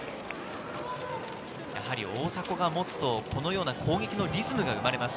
やはり大迫が持つと、このような攻撃のリズムが生まれます。